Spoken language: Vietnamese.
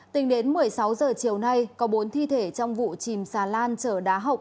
tính đến một mươi sáu h chiều nay có bốn thi thể trong vụ chìm xà lan chở đá hộng